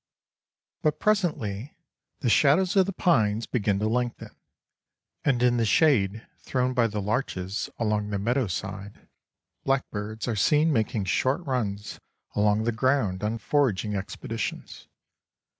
But presently the shadows of the pines begin to lengthen, and in the shade thrown by the larches along the meadow side blackbirds are seen making short runs along the ground on foraging expeditions.